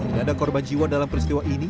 tidak ada korban jiwa dalam peristiwa ini